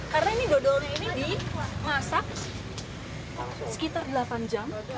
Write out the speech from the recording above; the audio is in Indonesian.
karena ini dodolnya ini dimasak sekitar delapan jam